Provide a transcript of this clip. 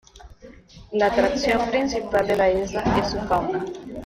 La atracción principal de la isla es su fauna.